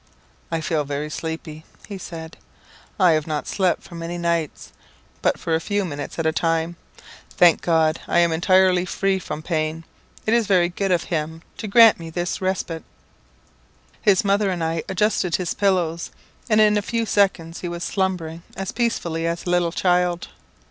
"I feel very sleepy," he said. "I have not slept for many nights, but for a few minutes at a time. Thank God, I am entirely free from pain: it is very good of Him to grant me this respite." His mother and I adjusted his pillows, and in a few seconds he was slumbering as peacefully as a little child.